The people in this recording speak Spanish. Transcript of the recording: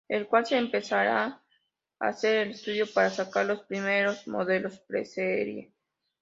El cual se empezaría hacer el estudio para sacar los primeros modelos preserie.